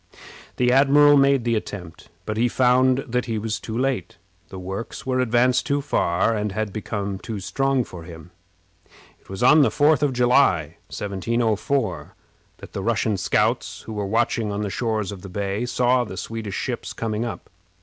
The admiral made the attempt, but he found that he was too late. The works were advanced too far, and had become too strong for him. It was on the 4th of July, 1704, that the Russian scouts, who were watching on the shores of the bay, saw the Swedish ships coming up.